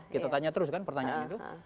kita tanya terus kan pertanyaan itu